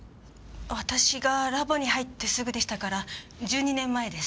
私がラボに入ってすぐでしたから１２年前です。